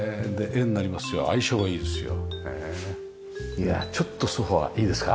いやあちょっとソファいいですか？